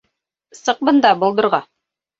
Сыҡ бында, болдорға.